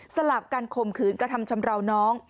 สลับกันขมคืนก็ทำชำระวน้อง